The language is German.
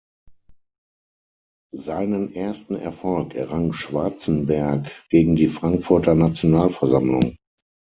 Seinen ersten Erfolg errang Schwarzenberg gegen die Frankfurter Nationalversammlung.